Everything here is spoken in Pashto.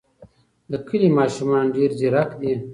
د کلي ماشومان ډېر ځیرک دي.